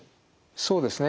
そうですね。